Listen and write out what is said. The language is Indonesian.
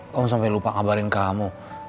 kau sampai lupa kabarin kamu